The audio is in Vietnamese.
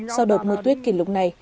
sau đợt mưa tuyết kỷ lục này